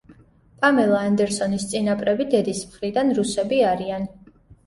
პამელა ანდერსონის წინაპრები დედის მხრიდან რუსები არიან.